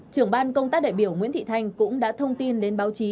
trưởng ban công tác đại biểu nguyễn thị thanh cũng đã thông tin đến báo chí